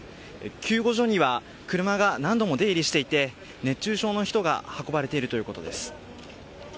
救護所には車が何度も出入りしていて熱中症の人が運ばれているということです。